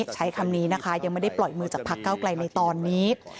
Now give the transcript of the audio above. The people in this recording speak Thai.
ใช้คำนี้นะคะยังไม่ได้ปล่อยมือจากพักเก้าไกลในตอนนี้